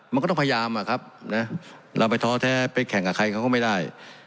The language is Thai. มันก็ต้องพยายามอะครับนะเราไปท้อแท้ไปแข่งกับใครเขาก็ไม่ได้